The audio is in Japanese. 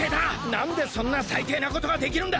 なんでそんなさいていなことができるんだ！